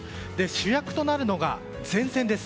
主役となるのが、前線です。